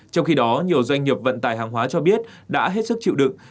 trong khi đó nhiều doanh nghiệp vận tải hàng hóa cho biết đã hết sức chịu đựng